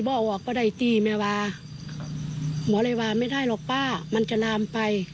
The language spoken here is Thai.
บอกว่าก็ได้ตี้แม่วาหมอเลยว่าไม่ได้หรอกป้ามันจะลามไป